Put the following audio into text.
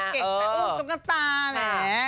เก่งในอุ้มจมกระตาแม่ง